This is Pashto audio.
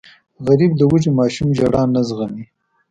غریب د وږې ماشوم ژړا نه زغمي